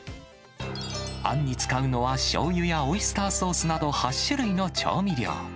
あんに使うのは、しょうゆやオイスターソースなど８種類の調味料。